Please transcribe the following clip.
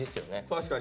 確かに！